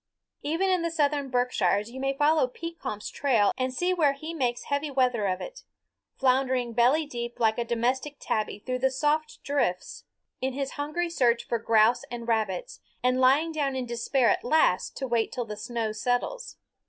Even in the southern Berkshires you may follow Pekompf's trail and see where he makes heavy weather of it, floundering belly deep like a domestic tabby through the soft drifts in his hungry search for grouse and rabbits, and lying down in despair at last to wait till the snow settles.